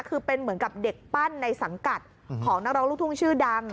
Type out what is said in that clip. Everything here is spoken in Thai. คือเป็นเหมือนกับเด็กปั้นในสังกัดของนักร้องลูกทุ่งชื่อดัง